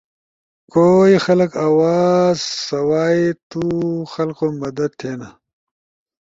کوئی خلقو آواز سوائے تو خلخو مدد تھے نا۔